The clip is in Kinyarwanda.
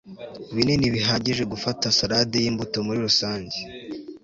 binini bihagije gufata salade yimbuto muri rusange